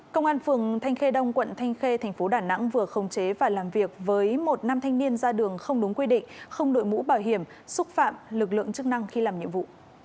công an phường thanh khê đông quận thanh khê thành phố đà nẵng vừa khống chế và làm việc với một nam thanh niên ra đường không đúng quy định không đội mũ bảo hiểm xúc phạm lực lượng chức năng khi làm nhiệm vụ